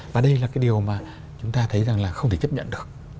và đây là cái điều mà chúng ta thấy rằng là không thể chấp nhận được